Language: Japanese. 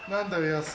安。